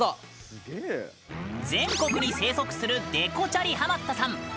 全国に生息するデコチャリハマったさん。